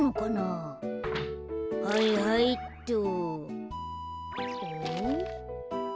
はいはいっと。